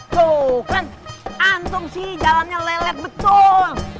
tuh kan antung sih jalannya lelet betul